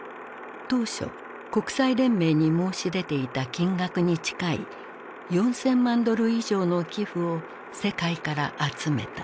当初国際連盟に申し出ていた金額に近い４，０００万ドル以上の寄付を世界から集めた。